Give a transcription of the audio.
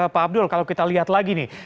pak abdul kalau kita lihat lagi nih